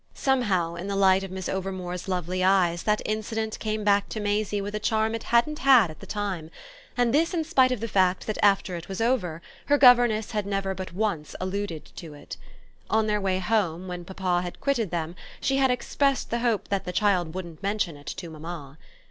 Somehow in the light of Miss Overmore's lovely eyes that incident came back to Maisie with a charm it hadn't had at the time, and this in spite of the fact that after it was over her governess had never but once alluded to it. On their way home, when papa had quitted them, she had expressed the hope that the child wouldn't mention it to mamma.